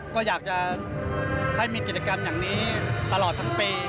ก็อยากจะให้มีกิจกรรมอย่างนี้ตลอดทั้งปี